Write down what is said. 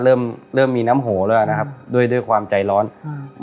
เริ่มเริ่มมีน้ำโหแล้วนะครับด้วยด้วยความใจร้อนอืม